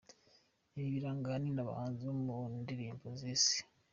Ibi biranga ahanini abahanzi bo mu ndirimbo z’Isi.